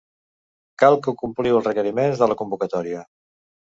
Cal que compliu els requisits de la convocatòria.